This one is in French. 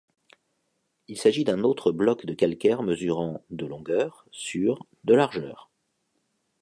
Il s’agit d’un autre bloc de calcaire mesurant de longueur sur de largeur.